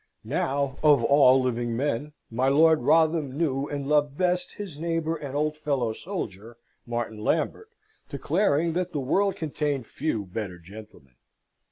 Now, of all living men, my Lord Wrotham knew and loved best his neighbour and old fellow soldier, Martin Lambert, declaring that the world contained few better gentlemen.